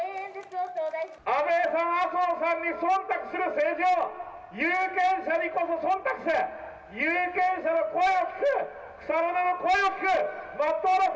安倍さん、麻生さんにそんたくする政治を、有権者にこそそんたくして、有権者の声を聞け、草の根の声を聞け！